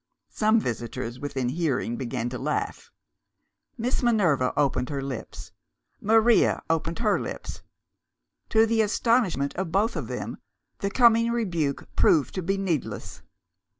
Some visitors within hearing began to laugh. Miss Minerva opened her lips; Maria opened her lips. To the astonishment of both of them the coming rebuke proved to be needless.